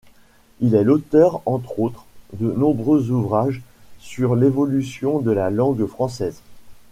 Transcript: Il est l'auteur, entre autres, de nombreux ouvrages sur l'évolution de la langue française.